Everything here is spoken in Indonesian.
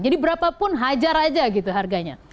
jadi berapapun hajar aja gitu harganya